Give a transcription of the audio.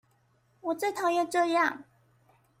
我最討厭這樣